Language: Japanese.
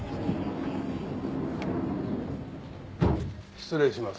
失礼します。